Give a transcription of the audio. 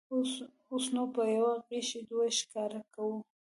اوس نو په یوه غیشي دوه ښکاره کوو.